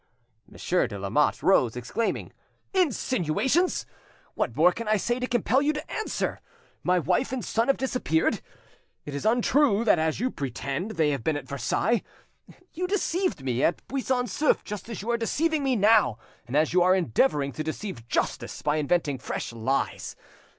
Monsieur de Lamotte rose, exclaiming— "Insinuations! What more can I say to compel you to answer? My wife and son have disappeared. It is untrue that, as you pretend, they have been at Versailles. You deceived me at Buisson Souef, just as you are deceiving me now, as you are endeavouring to deceive justice by inventing fresh lies.